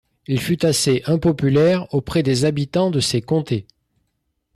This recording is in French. Il fut assez impopulaire auprès des habitants de ces comtés.